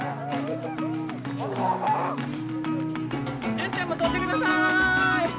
じゅんちゃんも跳んでください。